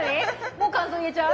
もう感想言えちゃう？